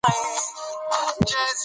تاریخ د خپل ولس اراده ښيي.